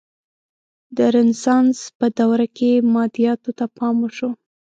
د رنسانس په دوره کې مادیاتو ته پام وشو.